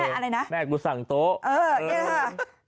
อะไรนะแม่กูสั่งโต๊ะเออเนี่ยค่ะ